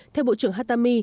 theo bộ trưởng hatami